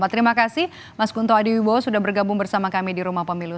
terima kasih mas kunto adiwibowo sudah bergabung bersama kami di rumah pemilu